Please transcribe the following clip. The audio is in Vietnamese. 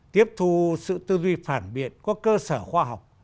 tiếp thu sự tư duy phản biện có cơ sở khoa học